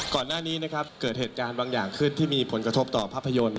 ก่อนหน้านี้นะครับเกิดเหตุการณ์บางอย่างขึ้นที่มีผลกระทบต่อภาพยนตร์